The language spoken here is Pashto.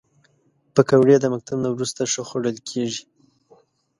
پکورې د مکتب نه وروسته ښه خوړل کېږي